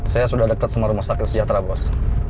saya sudah dekat sama rumah sakit sejahtera bos